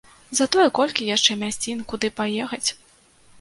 Затое колькі яшчэ мясцін, куды паехаць!